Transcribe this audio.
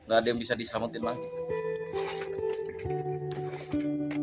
gak ada yang bisa diselamatin lagi